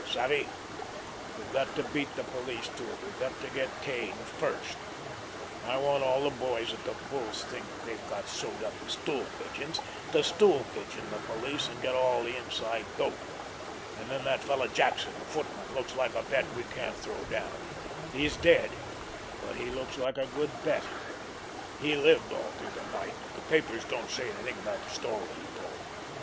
Savvy? We've got to beat the police to it. We've got to get Kane—first. I want all the boys that the bulls think they've got sewed up as stool pigeons to stool pigeon the police and get all the inside dope. And then that fellow Jackson, the footman, looks like a bet we can't throw down. He's dead—but he looks like a good bet. He lived all through the night, but the papers don't say anything about the story he told.